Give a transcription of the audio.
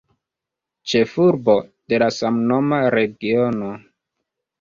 Ĉefurbo de la samnoma regiono.